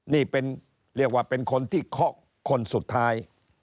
นี่เป็นเรียกว่าเป็นคนที่เคาะคนสุดท้าย